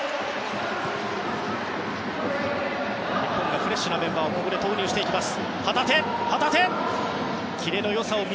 日本がフレッシュなメンバーを投入してきます。